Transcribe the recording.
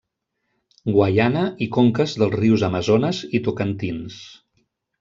Guaiana i conques dels rius Amazones i Tocantins.